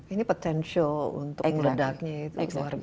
ini potensi untuk meredaknya itu keluarga